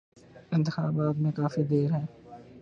انتخابات میں کافی دیر ہے۔